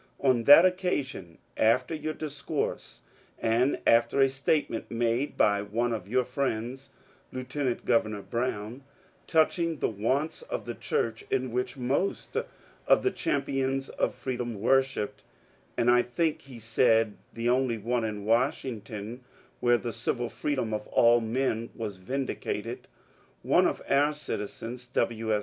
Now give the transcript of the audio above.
On that occasion, after your discourse, and after a statement made by one of your friends, Lieutenant Govemor Brown, touching the wants of the church, in which most of the champions of freedom worshipped, — and I think he said the only one in Washington where the civil freedom of all men was vindicated, — one of our citizens, W. S.